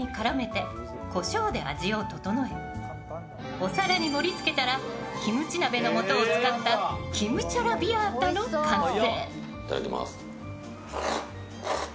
お皿に盛りつけたらキムチ鍋の素を使ったキムチャラビアータの完成。